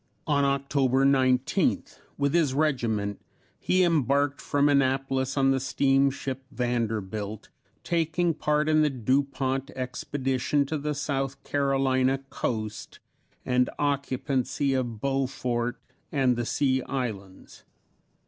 On October 19th, with his regiment, he embarked from Annapolis on the steamship Vanderbilt, taking part in the Dupont Expedition to the South Carolina coast and occupancy of Beaufort and the Sea Islands.